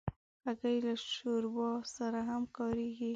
هګۍ له شوربا سره هم کارېږي.